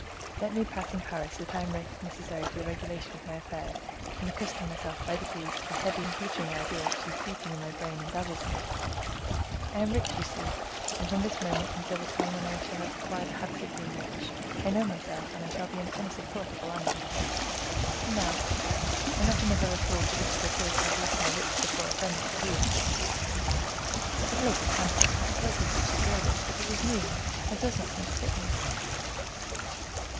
Let me pass in Paris the time necessary for the regulation of my affairs, and accustom myself, by degrees, to the heavy and glittering idea which is beating in my brain and dazzles me. I am rich, you see, and from this moment until the time when I shall have acquired the habit of being rich, I know myself, and I shall be an insupportable animal. Now, I am not enough of a fool to wish to appear to have lost my wits before a friend like you, Athos. The cloak is handsome, the cloak is richly gilded, but it is new, and does not seem to fit me."